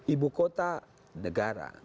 ibu kota negara